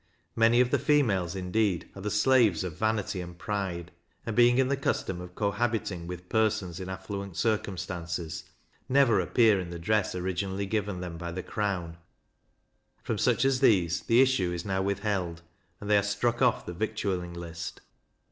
Many of the females indeed are the slaves of vanity and pride, and being in the custom of cohabiting with persons in affluent circumstances, never appear in the dress originally given them by the crown; from such as these the issue is now withheld, and they are struck off the victualling list.